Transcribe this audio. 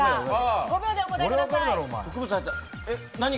５秒でお答えください。